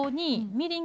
みりん？